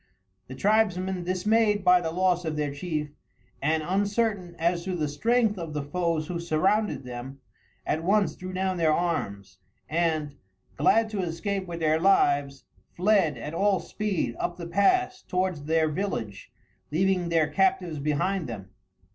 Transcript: The tribesmen, dismayed by the loss of their chief, and uncertain as to the strength of the foes who surrounded them, at once threw down their arms, and, glad to escape with their lives, fled at all speed up the pass towards their village, leaving their captives behind them.